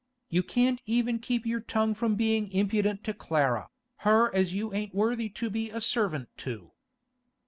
You can't even keep your tongue from bein' impudent to Clara, her as you ain't worthy to be a servant to!